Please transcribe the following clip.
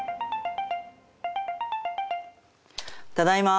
ただいま。